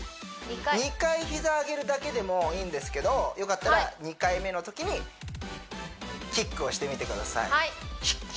２回膝上げるだけでもいいんですけどよかったら２回目のときにキックをしてみてください